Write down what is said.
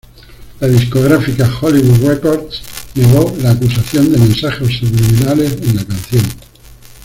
La discográfica Hollywood Records negó la acusación de mensajes subliminales en la canción.